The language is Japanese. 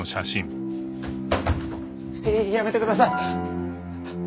ややめてください。